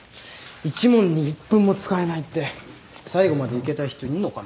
１問に１分も使えないって最後までいけた人いんのかな。